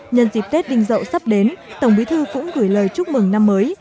nhân dịp tết đinh dậu sắp đến tổng bí thư cũng gửi lời chúc mừng năm mới